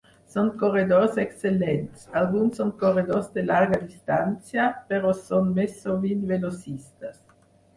Són corredors excel·lents: alguns són corredors de llarga distància, però són més sovint velocistes.